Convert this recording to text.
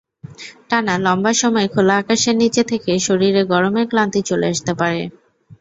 টানা লম্বা সময় খোলা আকাশের নিচে থেকে শরীরে গরমের ক্লান্তি চলে আসতে পারে।